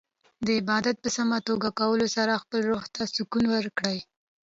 د عبادت په سمه توګه کولو سره خپل روح ته سکون ورکړئ.